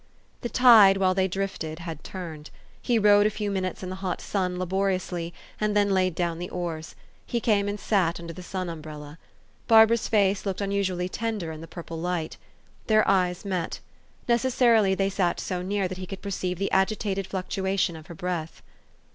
The tide, while they drifted, had turned. He rowed a few minutes in the hot sun, laboriously, and then laid down the oars: he came and sat under the sun umbrella. Barbara's face looked un usualty tender in the purple light. Their eyes met. Necessarily they sat so near, that he could perceive the agitated fluctuation of her breath.